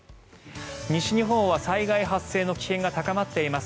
西日本は災害発生の危険が高まっています。